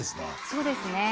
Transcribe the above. そうですね。